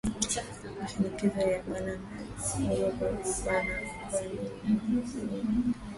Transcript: Mashikiyo ya ba mama ni ya nguvu, banayuwaka bia mingi